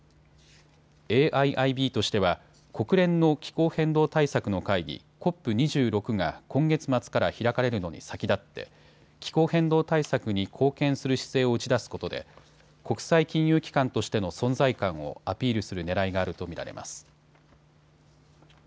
ＡＩＩＢとしては国連の気候変動対策の会議、ＣＯＰ２６が今月末から開かれるのに先立って気候変動対策に貢献する姿勢を打ち出すことで国際金融機関としての存在感をアピールするねらいがあると見られます。